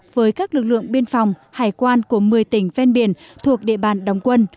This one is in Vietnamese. với các lực lượng biên phòng hải quan của một mươi tỉnh ven biển thuộc địa bàn đồng quân